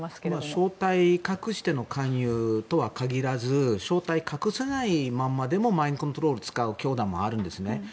正体隠しての勧誘とは限らず正体隠せないままでもマインドコントロールを使う教団もあるんですよね。